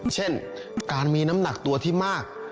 เช่นการมีน้ำหนักตัวที่มาก